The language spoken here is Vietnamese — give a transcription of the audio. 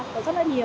qua có rất là nhiều